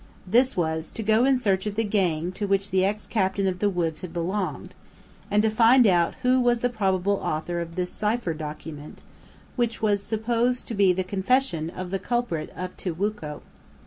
This was to go in search of the gang to which the ex captain of the woods had belonged, and to find out who was the probable author of this cipher document, which was supposed to be the confession of the culprit of Tijuco.